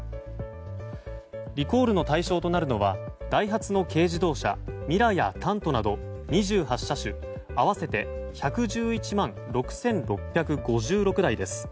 リコールの対象となるのはダイハツの軽自動車ミラやタントなど２８車種合わせて１１１万６６５６台です。